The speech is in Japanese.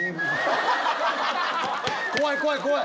怖い怖い怖い！